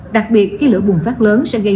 đặc biệt khi lửa bùng phát lớn sẽ gây